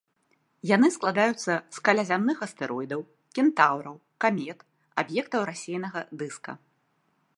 Яны складаюцца з калязямных астэроідаў, кентаўраў, камет, аб'ектаў рассеянага дыска.